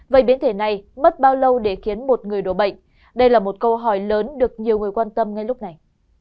vậy biến thể này mất bao lâu để khiến một người đổ bệnh đây là một câu hỏi lớn được nhiều người quan tâm ngay lúc này